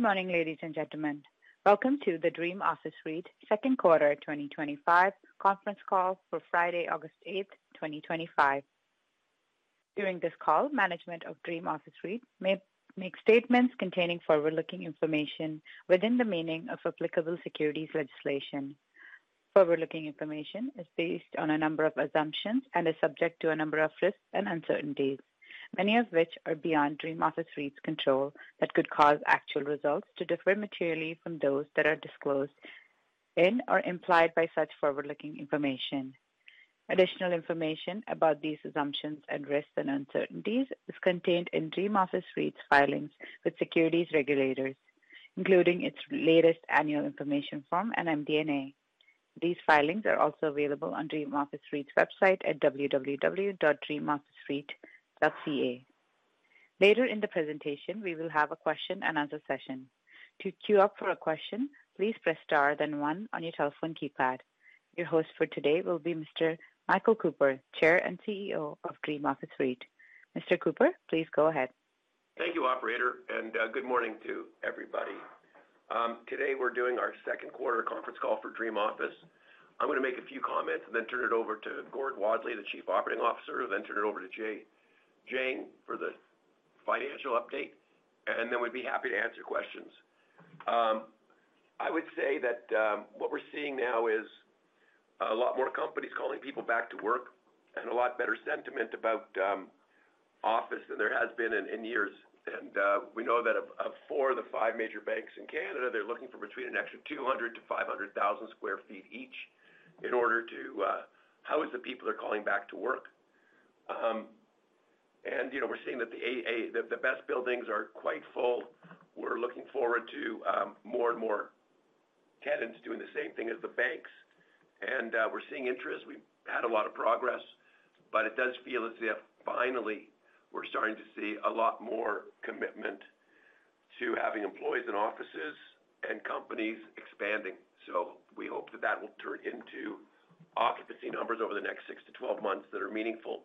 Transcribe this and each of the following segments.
Good morning, ladies and gentlemen. Welcome to the Dream Office REIT second quarter 2025 conference call for Friday, August 8, 2025. During this call, management of Dream Office REIT may make statements containing forward-looking information within the meaning of applicable securities legislation. Forward-looking information is based on a number of assumptions and is subject to a number of risks and uncertainties, many of which are beyond Dream Office REIT's control that could cause actual results to differ materially from those that are disclosed in or implied by such forward-looking information. Additional information about these assumptions and risks and uncertainties is contained in Dream Office REIT's filings with securities regulators, including its latest annual information form and MD&A. These filings are also available on Dream Office REIT's website at www.dreamofficereit.ca. Later in the presentation, we will have a question and answer session. To queue up for a question, please press star then one on your telephone keypad. Your host for today will be Mr. Michael J. Cooper, Chair and CEO of Dream Office REIT. Mr. Cooper, please go ahead. Thank you, Operator, and good morning to everybody. Today we're doing our second quarter conference call for Dream Office REIT. I'm going to make a few comments and then turn it over to Gordon Wadley, the Chief Operating Officer, and then turn it over to Jay Jiang for the financial update. Then we'd be happy to answer questions. I would say that what we're seeing now is a lot more companies calling people back to work and a lot better sentiment about office than there has been in years. We know that of four of the five major banks in Canada, they're looking for between an extra 200,000 sq ft-500,000 sq ft each in order to house the people they're calling back to work. We're seeing that the best buildings are quite full. We're looking forward to more and more tenants doing the same thing as the banks. We're seeing interest. We've had a lot of progress, but it does feel as if finally we're starting to see a lot more commitment to having employees in offices and companies expanding. We hope that that will turn into occupancy numbers over the next 6 to 12 months that are meaningful.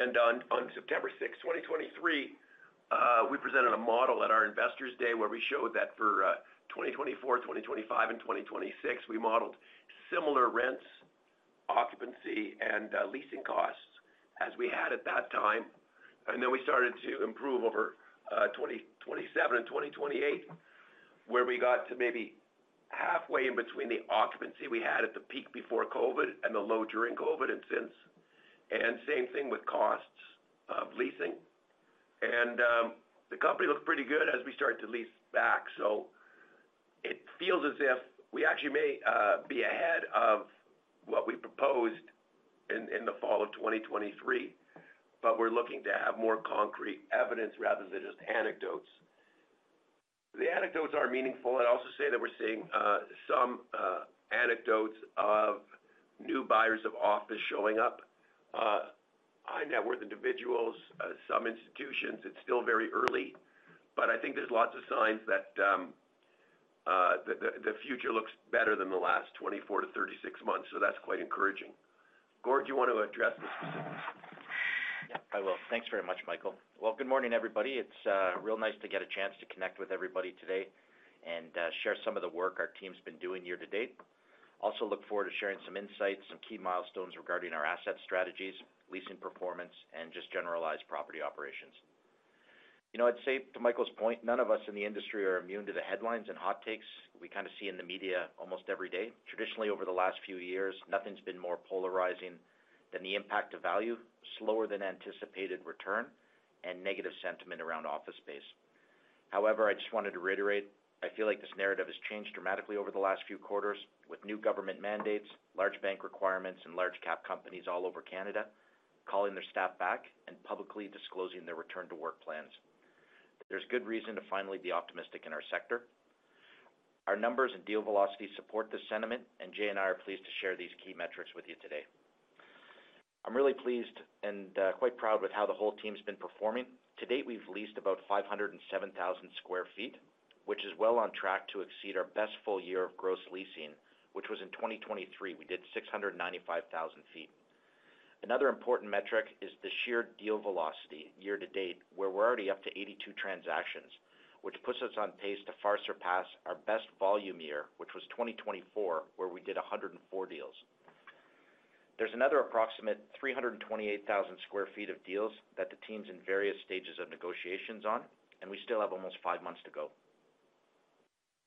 On September 6, 2023, we presented a model at our Investors Day where we showed that for 2024, 2025, and 2026, we modeled similar rents, occupancy, and leasing costs as we had at that time. We started to improve over 2027 and 2028, where we got to maybe halfway in between the occupancy we had at the peak before COVID and the low during COVID and since. Same thing with costs of leasing. The company looked pretty good as we started to lease back. It feels as if we actually may be ahead of what we proposed in the fall of 2023, but we're looking to have more concrete evidence rather than just anecdotes. The anecdotes are meaningful. I'd also say that we're seeing some anecdotes of new buyers of office showing up, high net worth individuals, some institutions. It's still very early, but I think there's lots of signs that the future looks better than the last 24 to 36 months. That's quite encouraging. Gordon, do you want to address this? Yeah, I will. Thanks very much, Michael. Good morning, everybody. It's real nice to get a chance to connect with everybody today and share some of the work our team's been doing year to date. I also look forward to sharing some insights, some key milestones regarding our asset strategies, leasing performance, and just generalized property operations. I'd say to Michael's point, none of us in the industry are immune to the headlines and hot takes we kind of see in the media almost every day. Traditionally, over the last few years, nothing's been more polarizing than the impact of value, slower than anticipated return, and negative sentiment around office space. However, I just wanted to reiterate, I feel like this narrative has changed dramatically over the last few quarters with new government mandates, large bank requirements, and large-cap companies all over Canada calling their staff back and publicly disclosing their return-to-work plans. There's good reason to finally be optimistic in our sector. Our numbers and deal velocity support this sentiment, and Jay and I are pleased to share these key metrics with you today. I'm really pleased and quite proud with how the whole team's been performing. To date, we've leased about 507,000 sq ft, which is well on track to exceed our best full year of gross leasing, which was in 2023. We did 695,000 ft. Another important metric is the sheer deal velocity year to date, where we're already up to 82 transactions, which puts us on pace to far surpass our best volume year, which was 2024, where we did 104 deals. There's another approximate 328,000 sq ft of deals that the team's in various stages of negotiations on, and we still have almost five months to go.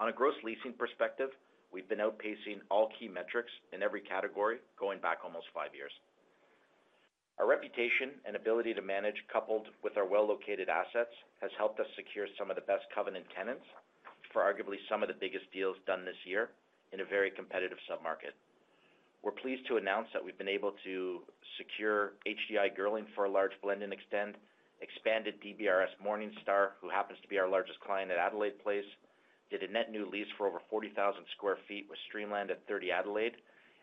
On a gross leasing perspective, we've been outpacing all key metrics in every category, going back almost five years. Our reputation and ability to manage, coupled with our well-located assets, has helped us secure some of the best covenant tenants for arguably some of the biggest deals done this year in a very competitive submarket. We're pleased to announce that we've been able to secure HDI Grilling for a large blend and extend, expanded DBRS Morningstar, who happens to be our largest client at Adelaide Place, did a net new lease for over 40,000 sq ft with Streamland at 30 Adelaide,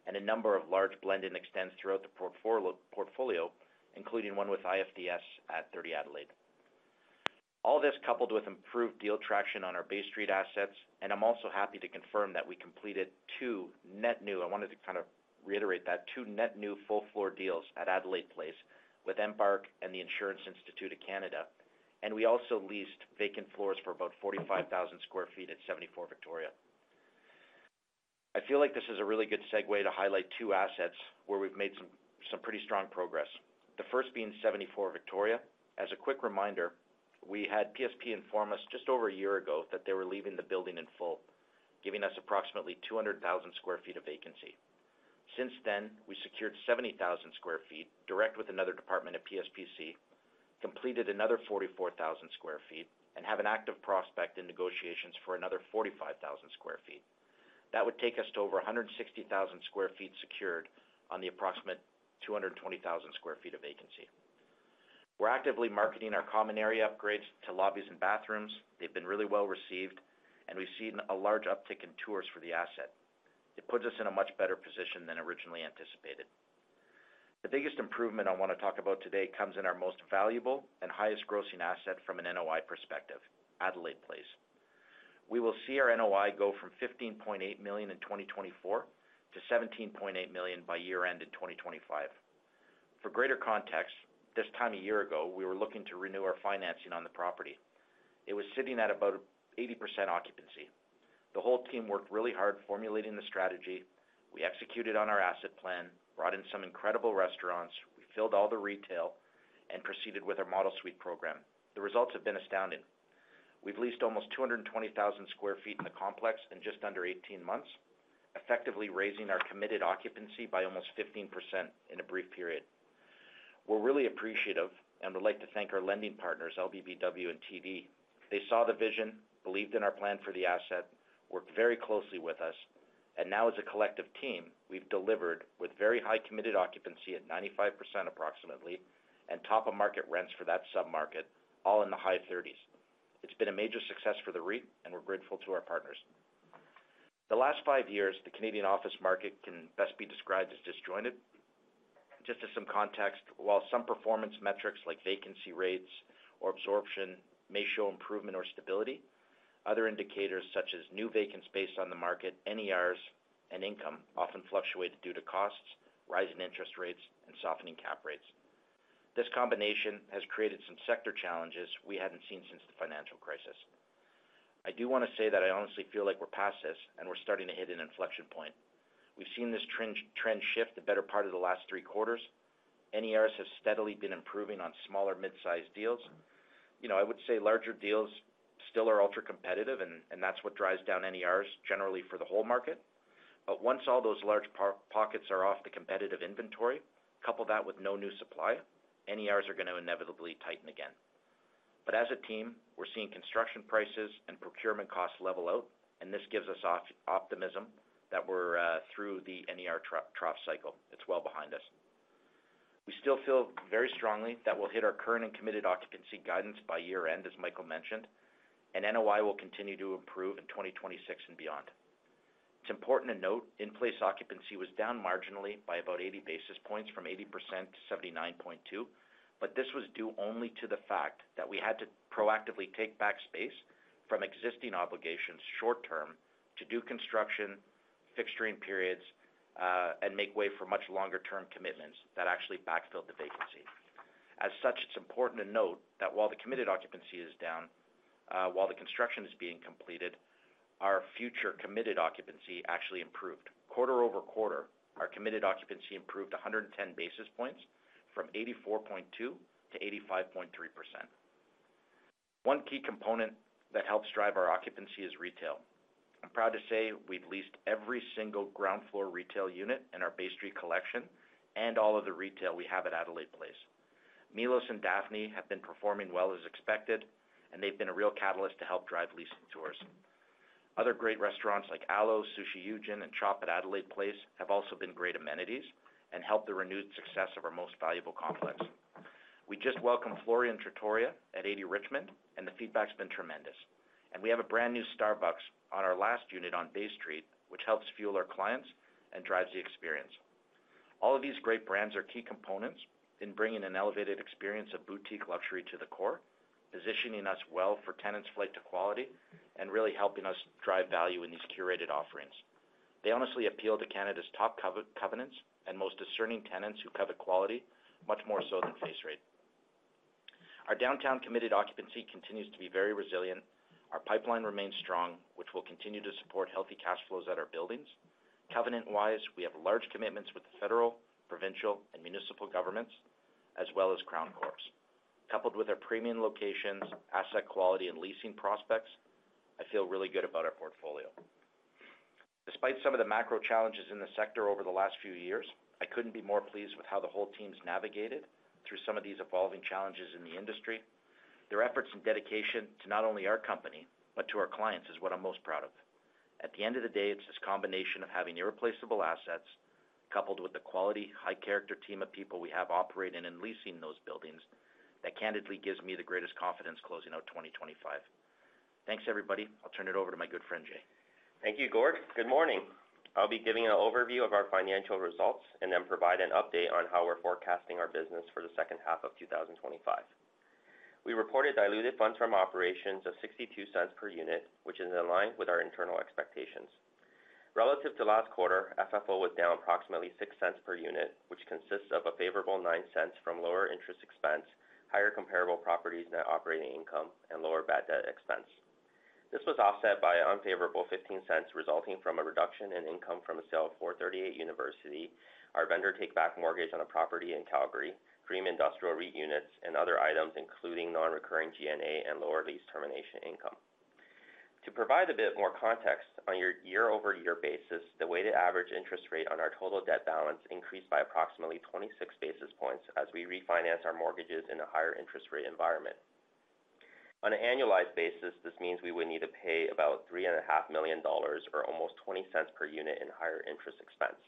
and a number of large blend and extends throughout the portfolio, including one with IFDS at 30 Adelaide. All this, coupled with improved deal traction on our Bay Street assets, and I'm also happy to confirm that we completed two net new, I wanted to kind of reiterate that, two net new full floor deals at Adelaide Place with Embark and the Insurance Institute of Canada. We also leased vacant floors for about 45,000 sq ft at 74 Victoria. I feel like this is a really good segue to highlight two assets where we've made some pretty strong progress. The first being 74 Victoria. As a quick reminder, we had PSP inform us just over a year ago that they were leaving the building in full, giving us approximately 200,000 sq ft of vacancy. Since then, we secured 70,000 sq ft direct with another department at PSPC, completed another 44,000 sq ft, and have an active prospect in negotiations for another 45,000 sq ft. That would take us to over 160,000 sq ft secured on the approximate 220,000 sq ft of vacancy. We're actively marketing our common area upgrades to lobbies and bathrooms. They've been really well received, and we've seen a large uptick in tours for the asset. It puts us in a much better position than originally anticipated. The biggest improvement I want to talk about today comes in our most valuable and highest grossing asset from an NOI perspective, Adelaide Place. We will see our NOI go from $15.8 million in 2024 to $17.8 million by year end in 2025. For greater context, this time a year ago, we were looking to renew our financing on the property. It was sitting at about 80% occupancy. The whole team worked really hard formulating the strategy. We executed on our asset plan, brought in some incredible restaurants, we filled all the retail, and proceeded with our model suite program. The results have been astounding. We've leased almost 220,000 sq ft in the complex in just under 18 months, effectively raising our committed occupancy by almost 15% in a brief period. We're really appreciative and would like to thank our lending partners, LBBW and TD. They saw the vision, believed in our plan for the asset, worked very closely with us, and now as a collective team, we've delivered with very high committed occupancy at approximately 95% and top of market rents for that submarket, all in the high 30s. It's been a major success for the REIT, and we're grateful to our partners. The last five years, the Canadian office market can best be described as disjointed. Just as some context, while some performance metrics like vacancy rates or absorption may show improvement or stability, other indicators such as new vacants based on the market, NERs, and income often fluctuate due to costs, rising interest rates, and softening cap rates. This combination has created some sector challenges we hadn't seen since the financial crisis. I do want to say that I honestly feel like we're past this and we're starting to hit an inflection point. We've seen this trend shift the better part of the last three quarters. NERs have steadily been improving on smaller mid-sized deals. I would say larger deals still are ultra-competitive, and that's what drives down NERs generally for the whole market. Once all those large pockets are off the competitive inventory, couple that with no new supply, NERs are going to inevitably tighten again. As a team, we're seeing construction prices and procurement costs level out, and this gives us optimism that we're through the NER trough cycle. It's well behind us. We still feel very strongly that we'll hit our current and committed occupancy guidance by year end, as Michael mentioned, and NOI will continue to improve in 2026 and beyond. It's important to note in place occupancy was down marginally by about 80 basis points from 80% to 79.2%, but this was due only to the fact that we had to proactively take back space from existing obligations short term to do construction, fixturing periods, and make way for much longer term commitments that actually backfilled the vacancy. As such, it's important to note that while the committed occupancy is down, while the construction is being completed, our future committed occupancy actually improved. Quarter-over-quarter, our committed occupancy improved 110 basis points from 84.2% to 85.3%. One key component that helps drive our occupancy is retail. I'm proud to say we've leased every single ground floor retail unit in our Bay Street collection and all of the retail we have at Adelaide Place. Nilos and Daphne have been performing well as expected, and they've been a real catalyst to help drive leasing tours. Other great restaurants like Alo, Sushi Yujin, and Chop at Adelaide Place have also been great amenities and helped the renewed success of our most valuable complex. We just welcomed Florian Trattoria at 80 Richmond, and the feedback's been tremendous. We have a brand new Starbucks on our last unit on Bay Street, which helps fuel our clients and drives the experience. All of these great brands are key components in bringing an elevated experience of boutique luxury to the core, positioning us well for tenants' flight to quality, and really helping us drive value in these curated offerings. They honestly appeal to Canada's top covenants and most discerning tenants who covet quality, much more so than face rate. Our downtown committed occupancy continues to be very resilient. Our pipeline remains strong, which will continue to support healthy cash flows at our buildings. Covenant-wise, we have large commitments with the federal, provincial, and municipal governments, as well as Crown Corps. Coupled with our premium locations, asset quality, and leasing prospects, I feel really good about our portfolio. Despite some of the macro challenges in the sector over the last few years, I couldn't be more pleased with how the whole team's navigated through some of these evolving challenges in the industry. Their efforts and dedication to not only our company, but to our clients is what I'm most proud of. At the end of the day, it's this combination of having irreplaceable assets, coupled with the quality, high-character team of people we have operating and leasing those buildings that candidly gives me the greatest confidence closing out 2025. Thanks, everybody. I'll turn it over to my good friend, Jay. Thank you, Gord. Good morning. I'll be giving an overview of our financial results and then provide an update on how we're forecasting our business for the second half of 2025. We reported diluted funds from operations of $0.62 per unit, which is in line with our internal expectations. Relative to last quarter, FFO was down approximately $0.06 per unit, which consists of a favorable $0.09 from lower interest expense, higher comparable properties net operating income, and lower bad debt expense. This was offset by an unfavorable $0.15 resulting from a reduction in income from a sale of 438 University, our vendor take-back mortgage on a property in Calgary, DIR units, and other items including non-recurring G&A and lower lease termination income. To provide a bit more context, on a year-over-year basis, the weighted average interest rate on our total debt balance increased by approximately 26 basis points as we refinance our mortgages in a higher interest rate environment. On an annualized basis, this means we would need to pay about $3.5 million or almost $0.20 per unit in higher interest expense.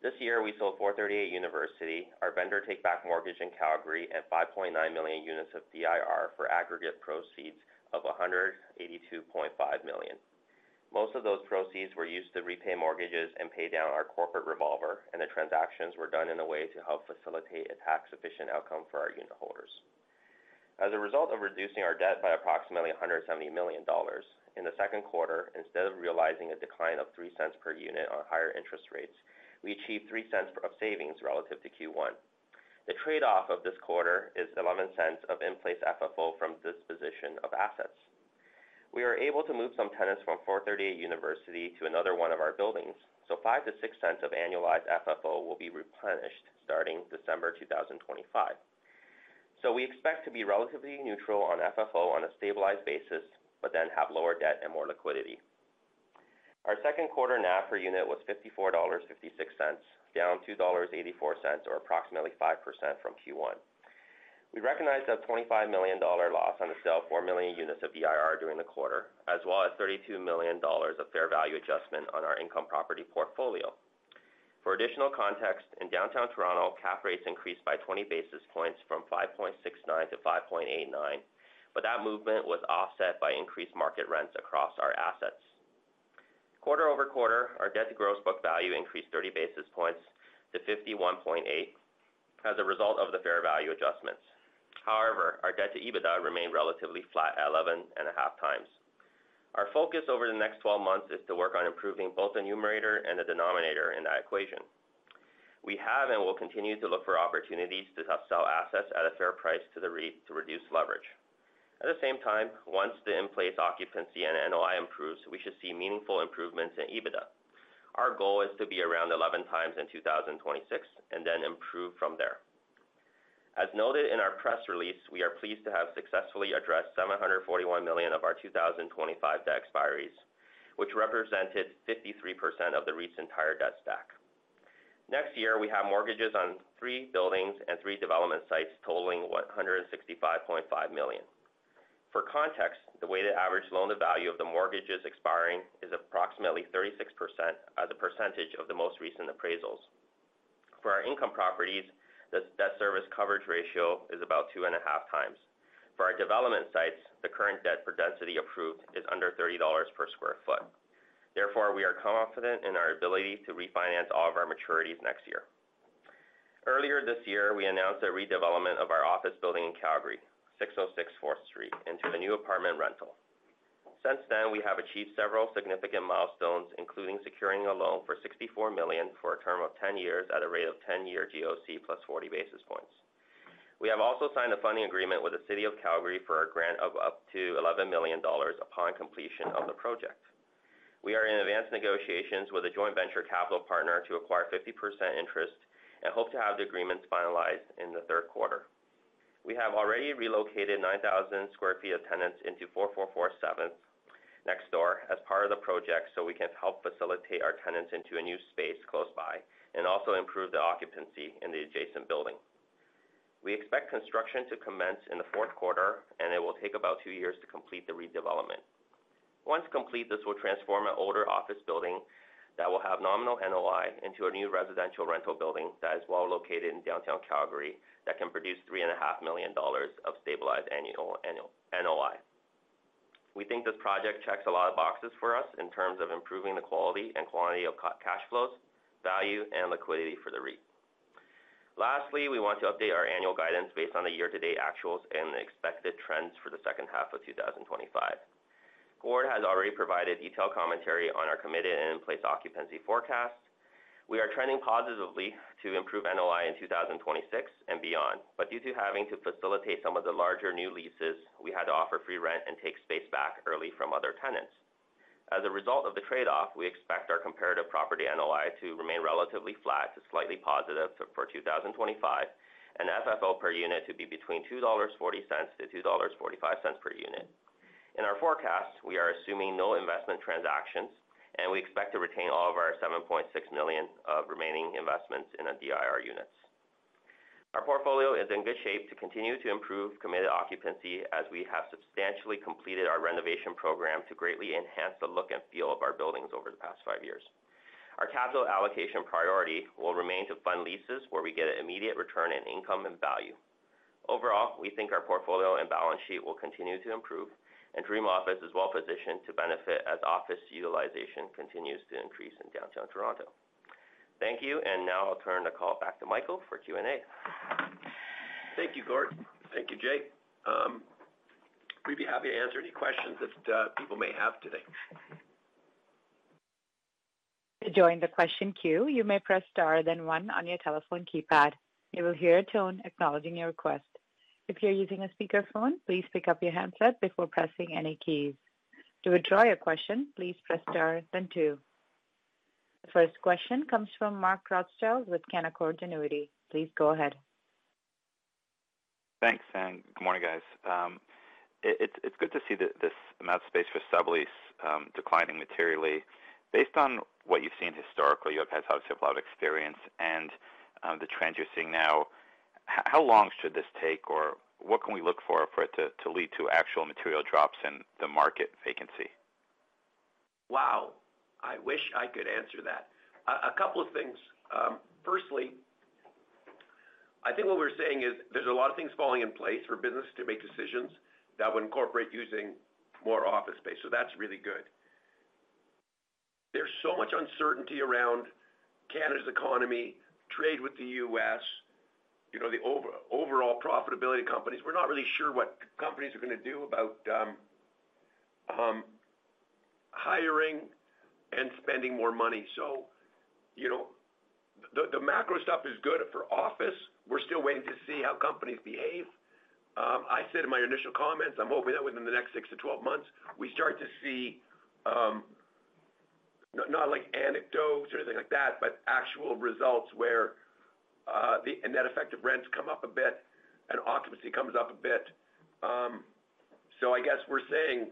This year, we sold 438 University, our vendor take-back mortgage in Calgary, and 5.9 million units of DIR for aggregate proceeds of $182.5 million. Most of those proceeds were used to repay mortgages and pay down our corporate revolver, and the transactions were done in a way to help facilitate a tax-efficient outcome for our unitholders. As a result of reducing our debt by approximately $170 million, in the second quarter, instead of realizing a decline of $0.03 per unit on higher interest rates, we achieved $0.03 of savings relative to Q1. The trade-off of this quarter is $0.11 of in-place FFO from disposition of assets. We are able to move some tenants from 438 University to another one of our buildings, so $0.05 to $0.06 of annualized FFO will be replenished starting December 2025. We expect to be relatively neutral on FFO on a stabilized basis, but then have lower debt and more liquidity. Our second quarter net asset value per unit was $54.56, down $2.84 or approximately 5% from Q1. We recognized a $25 million loss on the sale of 4 million units of DIR during the quarter, as well as $32 million of fair value adjustment on our income property portfolio. For additional context, in downtown Toronto, cap rates increased by 20 basis points from 5.69% to 5.89%, but that movement was offset by increased market rents across our assets. Quarter-over-quarter, our debt to gross book value increased 30 basis points to 51.8% as a result of the fair value adjustments. However, our debt to EBITDA remained relatively flat at 11.5x. Our focus over the next 12 months is to work on improving both the numerator and the denominator in that equation. We have and will continue to look for opportunities to upsell assets at a fair price to the REIT to reduce leverage. At the same time, once the in-place occupancy and NOI improves, we should see meaningful improvements in EBITDA. Our goal is to be around 11x in 2026 and then improve from there. As noted in our press release, we are pleased to have successfully addressed $741 million of our 2025 debt expiries, which represented 53% of the REIT's entire debt stack. Next year, we have mortgages on three buildings and three development sites totaling $165.5 million. For context, the weighted average loan to value of the mortgages expiring is approximately 36% as a percentage of the most recent appraisals. For our income properties, the debt service coverage ratio is about 2.5x. For our development sites, the current debt per density approved is under $30/sq ft. Therefore, we are confident in our ability to refinance all of our maturities next year. Earlier this year, we announced a redevelopment of our office building in Calgary, 606 4th Street, into the new apartment rental. Since then, we have achieved several significant milestones, including securing a loan for $64 million for a term of 10 years at a rate of 10-year GOC plus 40 basis points. We have also signed a funding agreement with the City of Calgary for a grant of up to $11 million upon completion of the project. We are in advanced negotiations with a joint venture capital partner to acquire 50% interest and hope to have the agreements finalized in the third quarter. We have already relocated 9,000 square feet of tenants into 444 7th next door as part of the project so we can help facilitate our tenants into a new space close by and also improve the occupancy in the adjacent building. We expect construction to commence in the fourth quarter, and it will take about two years to complete the redevelopment. Once complete, this will transform an older office building that will have nominal NOI into a new residential rental building that is well located in downtown Calgary that can produce $3.5 million of stabilized annual NOI. We think this project checks a lot of boxes for us in terms of improving the quality and quantity of cash flows, value, and liquidity for the REIT. Lastly, we want to update our annual guidance based on the year-to-date actuals and the expected trends for the second half of 2025. Gord has already provided detailed commentary on our committed and in-place occupancy forecast. We are trending positively to improve NOI in 2026 and beyond, but due to having to facilitate some of the larger new leases, we had to offer free rent and take space back early from other tenants. As a result of the trade-off, we expect our comparative property NOI to remain relatively flat to slightly positive for 2025 and FFO per unit to be between $2.40 to $2.45 per unit. In our forecast, we are assuming no investment transactions, and we expect to retain all of our $7.6 million of remaining investments in our DIR units. Our portfolio is in good shape to continue to improve committed occupancy as we have substantially completed our renovation program to greatly enhance the look and feel of our buildings over the past five years. Our capital allocation priority will remain to fund leases where we get an immediate return in income and value. Overall, we think our portfolio and balance sheet will continue to improve, and Dream Office is well positioned to benefit as office utilization continues to increase in downtown Toronto. Thank you, and now I'll turn the call back to Michael for Q&A. Thank you, Gord. Thank you, Jay. We'd be happy to answer any questions that people may have today. To join the question queue, you may press star then one on your telephone keypad. You will hear a tone acknowledging your request. If you're using a speaker phone, please pick up your headset before pressing any key. To withdraw your question, please press star then two. The first question comes from Mark Rothschild with Canaccord Genuity. Please go ahead. Thanks, and good morning, guys. It's good to see that this amount of space for sublease declining materially. Based on what you've seen historically, you guys have a super lot of experience and the trends you're seeing now, how long should this take or what can we look for for it to lead to actual material drops in the market vacancy? Wow. I wish I could answer that. A couple of things. Firstly, I think what we're saying is there's a lot of things falling in place for business to make decisions that would incorporate using more office space. That's really good. There's so much uncertainty around Canada's economy, trade with the U.S., the overall profitability of companies. We're not really sure what companies are going to do about hiring and spending more money. The macro stuff is good for office. We're still waiting to see how companies behave. I said in my initial comments, I'm hoping that within the next 6 to 12 months, we start to see not like anecdotes or anything like that, but actual results where the net effective rents come up a bit and occupancy comes up a bit. I guess we're saying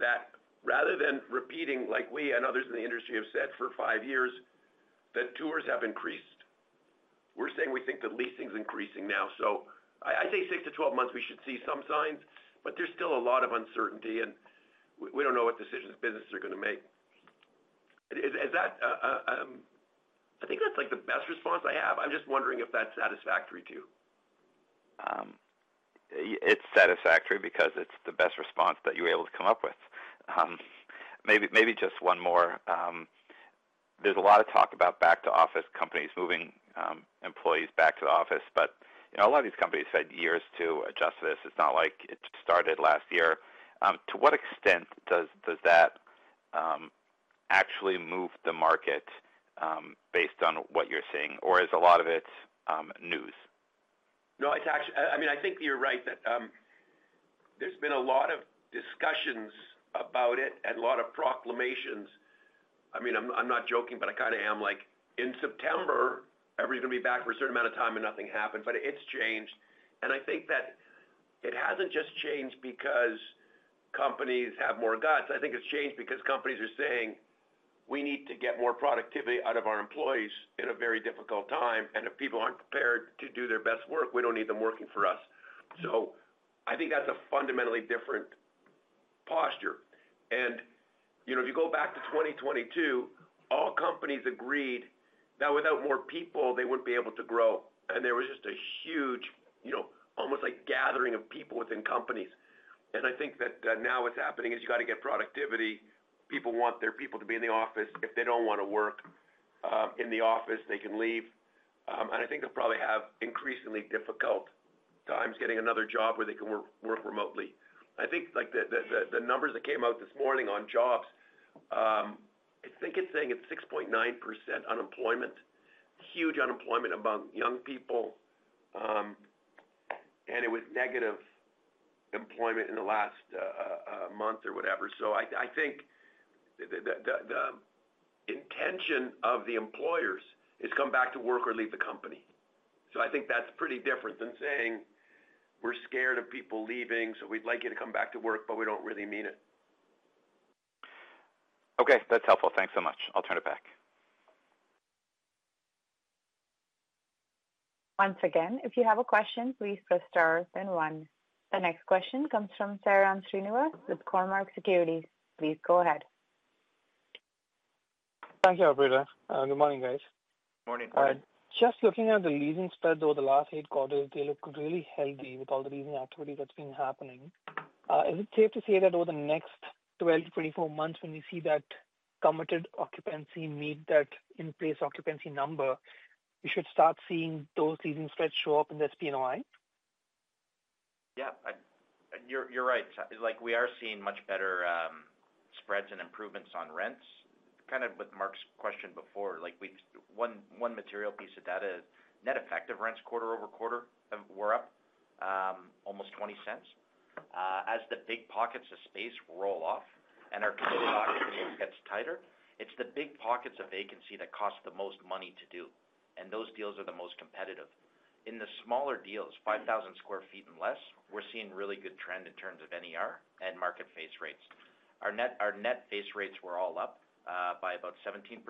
that rather than repeating like we and others in the industry have said for five years that tours have increased, we're saying we think the leasing is increasing now. I say 6 to 12 months, we should see some signs, but there's still a lot of uncertainty and we don't know what decisions businesses are going to make. I think that's the best response I have. I'm just wondering if that's satisfactory too. It's satisfactory because it's the best response that you were able to come up with. Maybe just one more. There's a lot of talk about back-to-office, companies moving employees back to the office, but you know a lot of these companies had years to adjust to this. It's not like it started last year. To what extent does that actually move the market based on what you're seeing? Is a lot of it news? No, it's actually, I mean, I think you're right that there's been a lot of discussions about it and a lot of proclamations. I mean, I'm not joking, but I kind of am, like, in September, everybody's going to be back for a certain amount of time and nothing happened. It's changed. I think that it hasn't just changed because companies have more guts. I think it's changed because companies are saying we need to get more productivity out of our employees in a very difficult time. If people aren't prepared to do their best work, we don't need them working for us. I think that's a fundamentally different posture. You know, if you go back to 2022, all companies agreed that without more people, they wouldn't be able to grow. There was just a huge, you know, almost like gathering of people within companies. I think that now what's happening is you got to get productivity. People want their people to be in the office. If they don't want to work in the office, they can leave. I think they probably have increasingly difficult times getting another job where they can work remotely. I think like the numbers that came out this morning on jobs, I think it's saying it's 6.9% unemployment, huge unemployment among young people, and it was negative employment in the last month or whatever. I think the intention of the employers is to come back to work or leave the company. I think that's pretty different than saying we're scared of people leaving, so we'd like you to come back to work, but we don't really mean it. Okay, that's helpful. Thanks so much. I'll turn it back. Once again, if you have a question, please press star then one. The next question comes from Sairam Srinivas with Cormark Securities. Please go ahead. Thank you, Operator. Good morning, guys. Morning. Just looking at the leasing spreads over the last eight quarters, they look really healthy with all the leasing activity that's been happening. Is it safe to say that over the next 12 to 24 months, when we see that committed occupancy meet that in-place occupancy number, we should start seeing those leasing spreads show up in the SPNY? Yeah, and you're right. We are seeing much better spreads and improvements on rents. Kind of with Mark's question before, one material piece of data is net effective rents quarter over quarter were up almost $0.20. As the big pockets of space roll off and our committed occupancy gets tighter, it's the big pockets of vacancy that cost the most money to do. Those deals are the most competitive. In the smaller deals, 5,000 square feet and less, we're seeing really good trend in terms of NER and market face rates. Our net face rates were all up by about 17%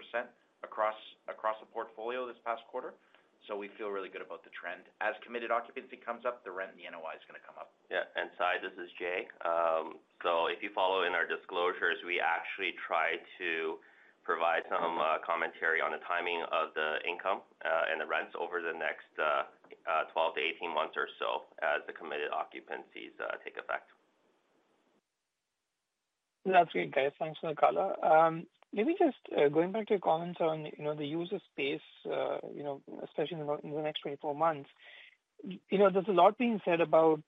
across the portfolio this past quarter. We feel really good about the trend. As committed occupancy comes up, the rent and the NOI is going to come up. Yeah, Sai, this is Jay. If you follow in our disclosures, we actually try to provide some commentary on the timing of the income and the rents over the next 12 to 18 months or so as the committed occupancies take effect. That's great, guys. Thanks for the call. Maybe just going back to your comments around the user space, especially in the next 24 months, there's a lot being said about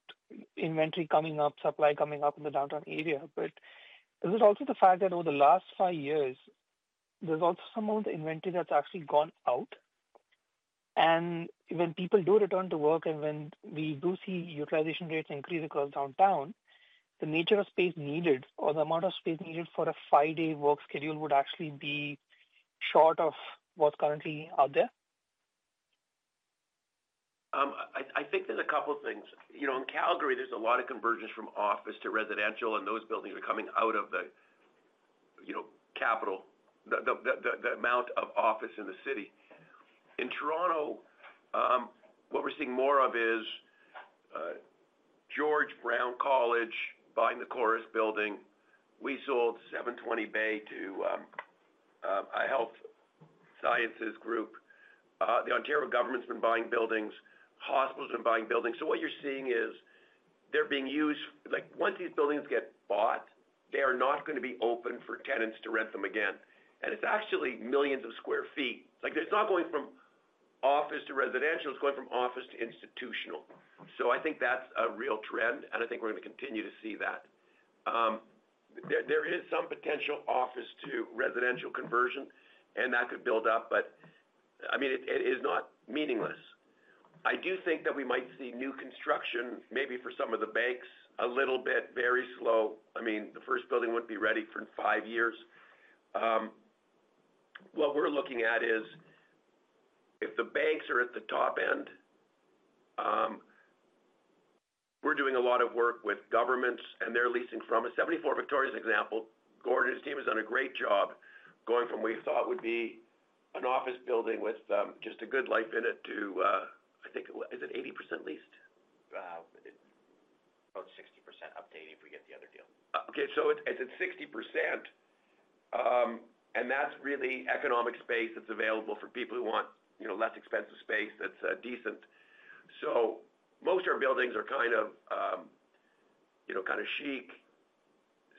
inventory coming up, supply coming up in the downtown area. There's also the fact that over the last five years, there's some amount of inventory that's actually gone out. When people do return to work and when we do see utilization rates increase because downtown, the nature of space needed or the amount of space needed for a five-day work schedule would actually be short of what's currently out there. I think there's a couple of things. In Calgary, there's a lot of conversions from office to residential, and those buildings are coming out of the, you know, capital, the amount of office in the city. In Toronto, what we're seeing more of is George Brown College buying the Chorus building. We sold 720 Bay to a health sciences group. The Ontario government's been buying buildings. Hospitals have been buying buildings. What you're seeing is they're being used, like once these buildings get bought, they are not going to be open for tenants to rent them again. It's actually millions of square feet. It's not going from office to residential. It's going from office to institutional. I think that's a real trend, and I think we're going to continue to see that. There is some potential office to residential conversion, and that could build up, but I mean, it is not meaningless. I do think that we might see new construction, maybe for some of the banks, a little bit very slow. The first building wouldn't be ready for five years. What we're looking at is if the banks are at the top end, we're doing a lot of work with governments and they're leasing from a 74 Victoria's example. Gordon and his team has done a great job going from what we thought would be an office building with just a GoodLife in it to, I think, is it 80% leased? Wow. It's about 60% up to 80% if we get the other deal. Okay, so it's at 60%. That's really economic space that's available for people who want, you know, less expensive space that's decent. Most of our buildings are kind of, you know, kind of chic,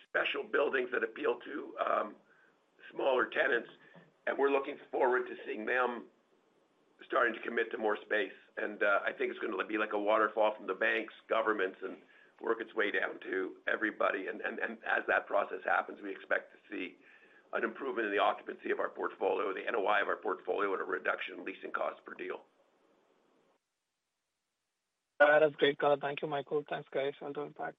special buildings that appeal to smaller tenants. We're looking forward to seeing them starting to commit to more space. I think it's going to be like a waterfall from the banks, governments, and work its way down to everybody. As that process happens, we expect to see an improvement in the occupancy of our portfolio, the NOI of our portfolio, and a reduction in leasing costs per deal. That was a great call. Thank you, Michael. Thanks, guys, for the feedback.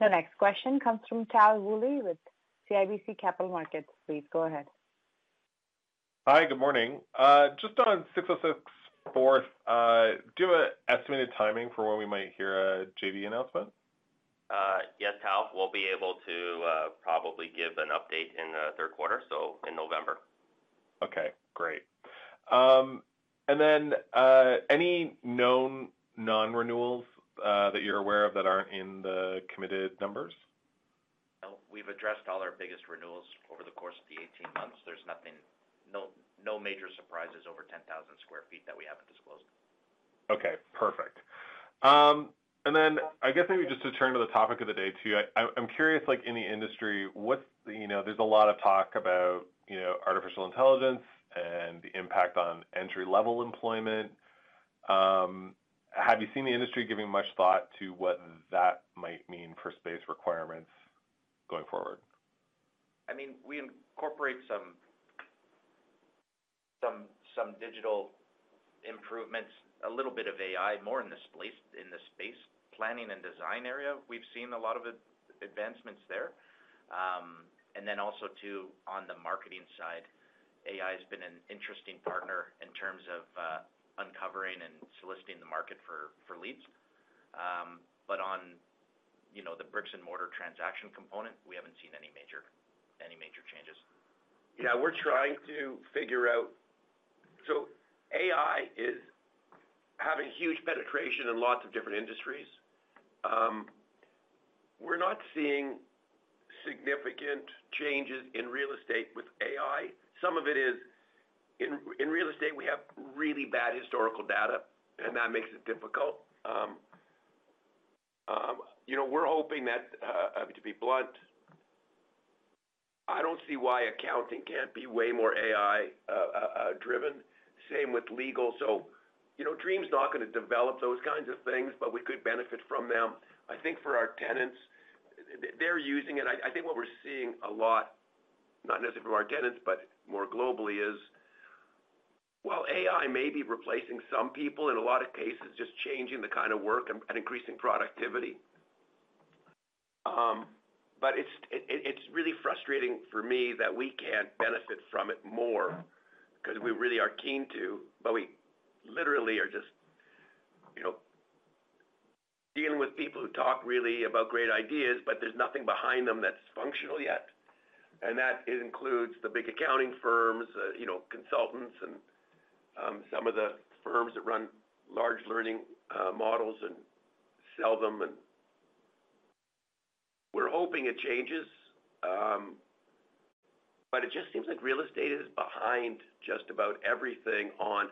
The next question comes from Tal Woolley with CIBC Capital Markets. Please go ahead. Hi, good morning. Just on 606 4th Street, do you have an estimated timing for when we might hear a JV announcement? Yeah, Tal, we'll be able to probably give an update in the third quarter, in November. Okay, great. Are there any known non-renewals that you're aware of that aren't in the committed numbers? No, we've addressed all our biggest renewals over the course of the 18 months. There's nothing, no major surprises over 10,000 square feet that we haven't disclosed. Okay, perfect. I guess maybe just to turn to the topic of the day too, I'm curious, like in the industry, there's a lot of talk about artificial intelligence and the impact on entry-level employment. Have you seen the industry giving much thought to what that might mean for space requirements going forward? I mean, we incorporate some digital improvements, a little bit of AI, more in the space planning and design area. We've seen a lot of advancements there. Also, on the marketing side, AI has been an interesting partner in terms of uncovering and soliciting the market for leads. On the bricks and mortar transaction component, we haven't seen any major changes. Yeah, we're trying to figure out, so AI is having huge penetration in lots of different industries. We're not seeing significant changes in real estate with AI. Some of it is, in real estate, we have really bad historical data, and that makes it difficult. We're hoping that, to be blunt, I don't see why accounting can't be way more AI-driven. Same with legal. Dream's not going to develop those kinds of things, but we could benefit from them. I think for our tenants, they're using it. I think what we're seeing a lot, not necessarily from our tenants, but more globally is, AI may be replacing some people in a lot of cases, just changing the kind of work and increasing productivity. It's really frustrating for me that we can't benefit from it more because we really are keen to, but we literally are just dealing with people who talk really about great ideas, but there's nothing behind them that's functional yet. That includes the big accounting firms, consultants, and some of the firms that run large learning models and sell them. We're hoping it changes, but it just seems like real estate is behind just about everything on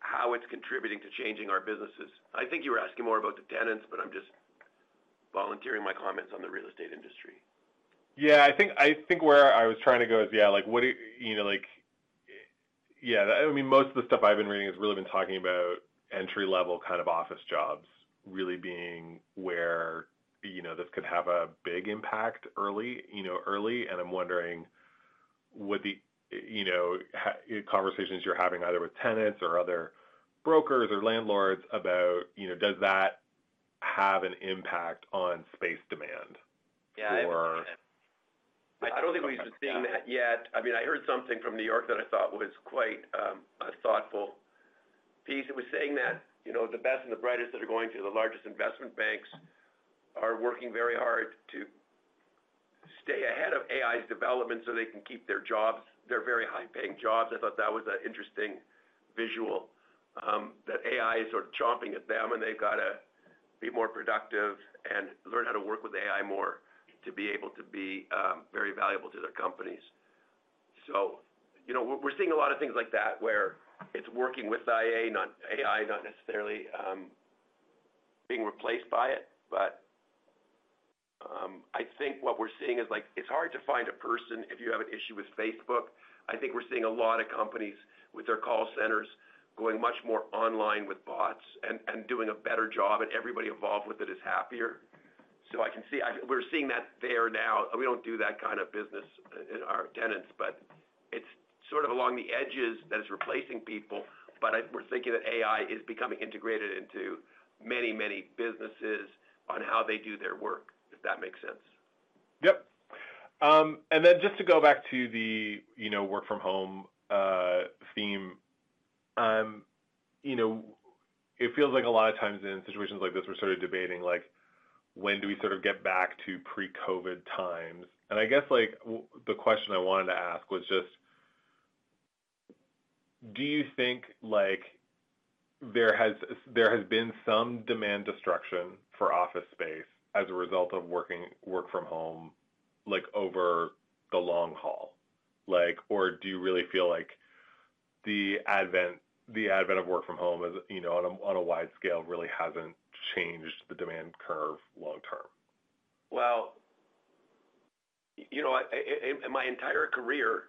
how it's contributing to changing our businesses. I think you were asking more about the tenants, but I'm just volunteering my comments on the real estate industry. I think where I was trying to go is, what do you know, I mean, most of the stuff I've been reading has really been talking about entry-level kind of office jobs really being where this could have a big impact early. I'm wondering what the conversations you're having either with tenants or other brokers or landlords about, does that have an impact on space demand? Yeah, I don't think we've seen that yet. I mean, I heard something from New York that I thought was quite a thoughtful piece. It was saying that the best and the brightest that are going to the largest investment banks are working very hard to stay ahead of AI's development so they can keep their jobs, their very high-paying jobs. I thought that was an interesting visual that AI is sort of chomping at them and they've got to be more productive and learn how to work with AI more to be able to be very valuable to their companies. We're seeing a lot of things like that where it's working with the AI, not necessarily being replaced by it. I think what we're seeing is like it's hard to find a person if you have an issue with Facebook. I think we're seeing a lot of companies with their call centers going much more online with bots and doing a better job, and everybody involved with it is happier. I can see we're seeing that there now. We don't do that kind of business in our tenants, but it's sort of along the edges that it's replacing people. We're thinking that AI is becoming integrated into many, many businesses on how they do their work, if that makes sense. Yep. Just to go back to the work-from-home theme, it feels like a lot of times in situations like this, we're sort of debating when do we sort of get back to pre-COVID times. I guess the question I wanted to ask was just, do you think there has been some demand destruction for office space as a result of work-from-home over the long haul, or do you really feel like the advent of work-from-home on a wide scale really hasn't changed the demand curve long term? In my entire career,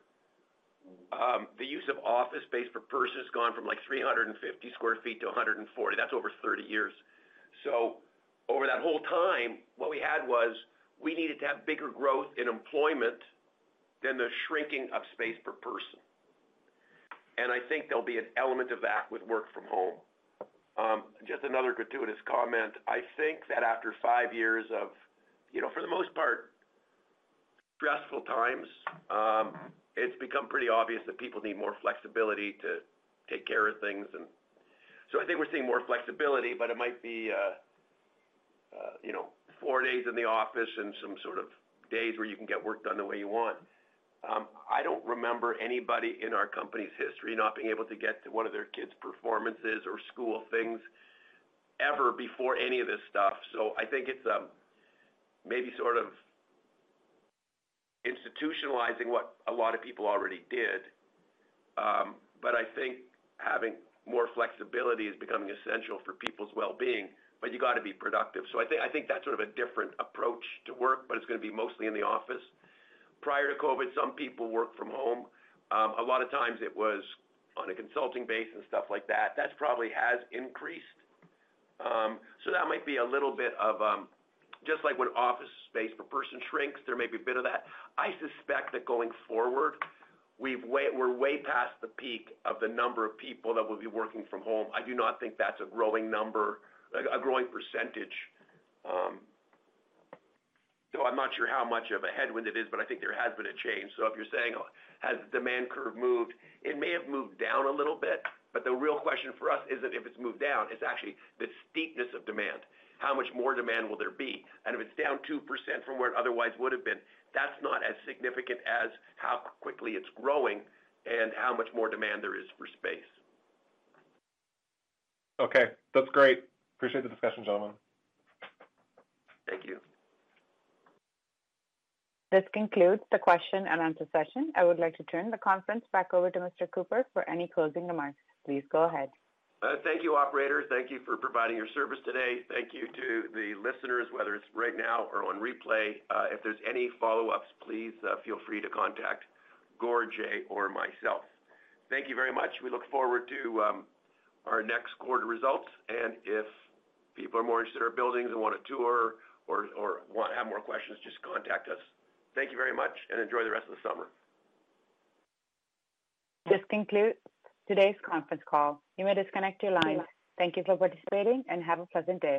the use of office space per person has gone from like 350 sq ft to 140 sq ft. That's over 30 years. Over that whole time, what we had was we needed to have bigger growth in employment than the shrinking of space per person. I think there'll be an element of that with work-from-home. Just another gratuitous comment. I think that after five years of, for the most part, stressful times, it's become pretty obvious that people need more flexibility to take care of things. I think we're seeing more flexibility, but it might be four days in the office and some sort of days where you can get work done the way you want. I don't remember anybody in our company's history not being able to get to one of their kids' performances or school things ever before any of this stuff. I think it's maybe sort of institutionalizing what a lot of people already did. I think having more flexibility is becoming essential for people's well-being. You got to be productive. I think that's sort of a different approach to work, but it's going to be mostly in the office. Prior to COVID, some people worked from home. A lot of times it was on a consulting base and stuff like that. That probably has increased. That might be a little bit of just like when office space per person shrinks, there may be a bit of that. I suspect that going forward, we're way past the peak of the number of people that will be working from home. I do not think that's a growing number, a growing percentage, I'm not sure how much of a headwind it is, but I think there has been a change. If you're saying, has the demand curve moved? It may have moved down a little bit, but the real question for us isn't if it's moved down. It's actually the steepness of demand. How much more demand will there be? If it's down 2% from where it otherwise would have been, that's not as significant as how quickly it's growing and how much more demand there is for space. Okay, that's great. Appreciate the discussion, gentlemen. Thank you. This concludes the question and answer session. I would like to turn the conference back over to Mr. Cooper for any closing remarks. Please go ahead. Thank you, Operator. Thank you for providing your service today. Thank you to the listeners, whether it's right now or on replay. If there's any follow-ups, please feel free to contact Gord, Jay, or myself. Thank you very much. We look forward to our next quarter results. If people are more interested in our buildings and want a tour or have more questions, just contact us. Thank you very much and enjoy the rest of the summer. This concludes today's conference call. You may disconnect your line. Thank you for participating and have a pleasant day.